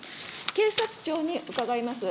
警察庁に伺います。